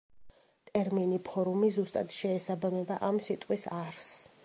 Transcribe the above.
ტერმინი „ფორუმი“ ზუსტად შეესაბამება ამ სიტყვის არსს.